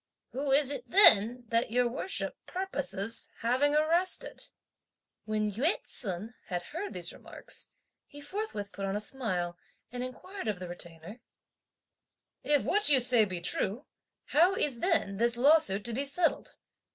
Who is it then that your Worship purposes having arrested?" When Yü ts'un had heard these remarks, he forthwith put on a smile and inquired of the Retainer, "If what you say be true, how is then this lawsuit to be settled?